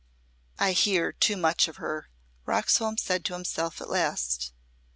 "I hear too much of her," Roxholm said to himself at last.